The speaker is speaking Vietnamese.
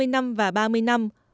hai mươi năm và ba mươi năm